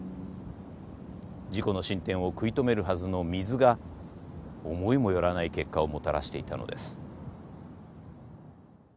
事故の進展を食い止めるはずの水が思いも寄らない結果をもたらしていたのです。